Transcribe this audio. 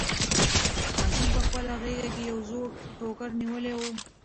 ماشوم په خپله غېږ کې یو زوړ ټوکر نیولی و.